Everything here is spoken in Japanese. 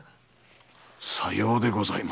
さようでございますか。